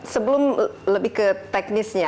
sebelum lebih ke teknisnya